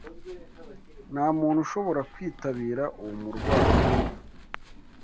Nta muntu ushobora kwitabira uwo murwayi.